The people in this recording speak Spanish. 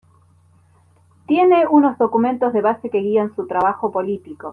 Tiene unos documentos de base que guían su trabajo político.